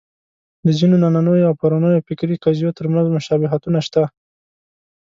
د ځینو نننیو او پرونیو فکري قضیو تر منځ مشابهتونه شته.